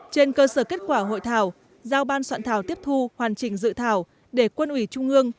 trên cơ sở kết quả hội thảo giao ban soạn thảo tiếp thu hoàn chỉnh dự thảo để quân ủy trung ương